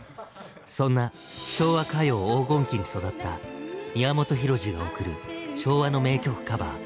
そんな「昭和歌謡黄金期」に育った宮本浩次が贈る「昭和の名曲カバー」。